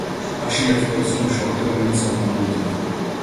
მაშინ ერთ პროექტზე ვმუშაობდი, რომელიც არ გამოვიდა.